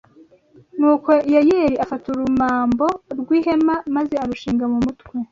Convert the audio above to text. Nuko Yayeli afata urumambo rw’ihema maze arushinga mu mutwe